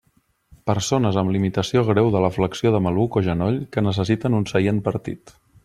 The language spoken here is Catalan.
Persones amb limitació greu de la flexió de maluc o genoll que necessiten un seient partit.